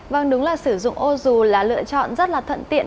vâng đúng là sử dụng ô dù là lựa chọn rất là thuận tiện